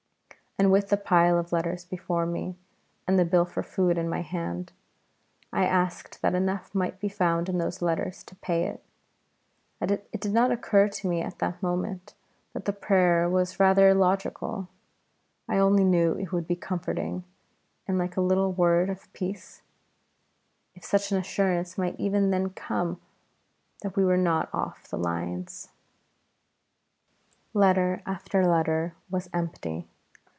And with the pile of letters before me, and the bill for food in my hand, I asked that enough might be found in those letters to pay it. It did not occur to me at the moment that the prayer was rather illogical. I only knew it would be comforting, and like a little word of peace, if such an assurance might even then come that we were not off the lines. Letter after letter was empty.